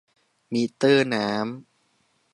มิเตอร์น้ำ